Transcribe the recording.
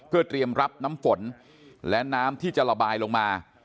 เพื่อเตรียมรับน้ำฝนและน้ำที่จะระบายลงมา